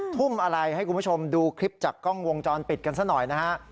ทุ่มอะไรให้คุณผู้ชมดูคลิปจากกล้องวงจรปิดกันซะหน่อยนะฮะ